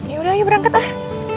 yaudah yuk berangkat lah